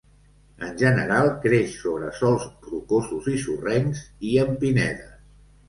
En general creix sobre sòls rocosos i sorrencs i en pinedes.